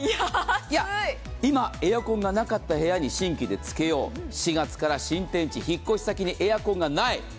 今、エアコンがなかった部屋に新規でつけよう、４月から新天地、引っ越し先にエアコンがない。